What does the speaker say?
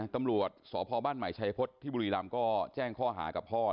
ตำรวจสพบ้านใหม่ชัยพฤษที่บุรีรำก็แจ้งข้อหากับพ่อ